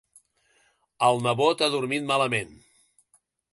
El nebot ha dormit malament.